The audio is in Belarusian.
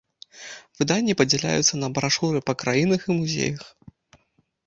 Выданні падзяляюцца на брашуры па краінах і музеях.